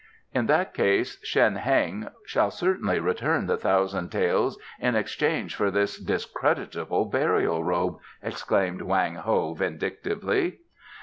"In that case, Shen Heng shall certainly return the thousand taels in exchange for this discreditable burial robe," exclaimed Wang Ho vindictively.